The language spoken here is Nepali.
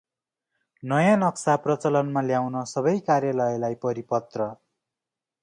नयाँ नक्सा प्रचलनमा ल्याउन सबै कार्यालयलाई परिपत्र